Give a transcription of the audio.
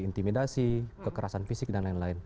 intimidasi kekerasan fisik dan lain lain